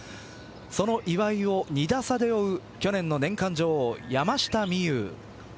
その岩井を２打差で追う去年の年間女王、山下美夢有。